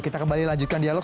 kita kembali lanjutkan dialog